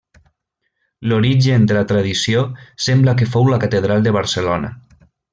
L'origen de la tradició sembla que fou la catedral de Barcelona.